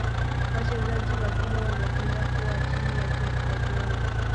wachezaji wakubwa wanapenda kuwa chini ya pep guardiola